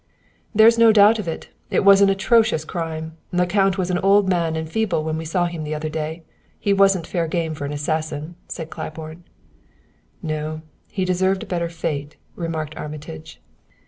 "There is no doubt of it. It was an atrocious crime; the count was an old man and feeble when we saw him the other day. He wasn't fair game for an assassin," said Claiborne. "No; he deserved a better fate," remarked Armitage.